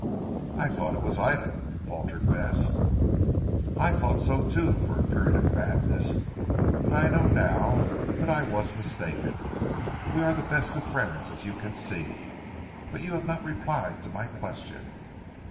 "I thought it was Ida?" faltered Bess. "I thought so too for a period of madness. But I know now that I was mistaken. We are the best of friends as you can see. But you have not replied to my question."